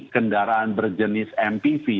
kendaraan berjenis mpv